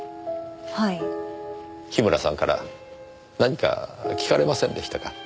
樋村さんから何か訊かれませんでしたか？